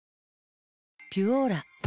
「ピュオーラ」